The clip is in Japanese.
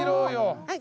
はい。